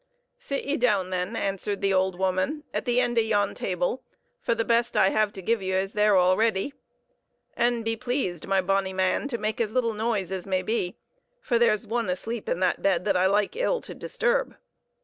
"Sit ye down, then," answered the old woman, "at the end of yon table, for the best I have to give you is there already. And be pleased, my bonny man, to make as little noise as may be; for there's one asleep in that bed that I like ill to disturb."